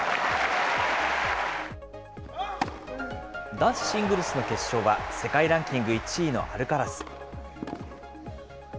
男子シングルスの決勝は、世界ランキング１位のアルカラス。